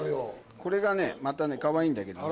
これがねまたねかわいいんだけどね